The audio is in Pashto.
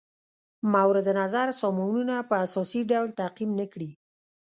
مورد نظر سامانونه په اساسي ډول تعقیم نه کړي.